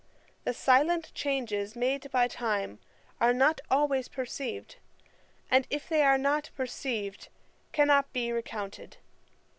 The silent changes made by time are not always perceived; and if they are not perceived, cannot be recounted.